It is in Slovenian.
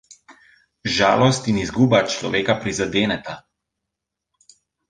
Žalost in izguba človeka prizadeneta.